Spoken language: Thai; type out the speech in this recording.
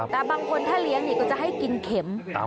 แต่บางคนถ้าเลี้ยงก็จะให้กินเข็ม